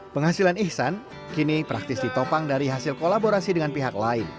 penghasilan ihsan kini praktis ditopang dari hasil kolaborasi dengan pihak lain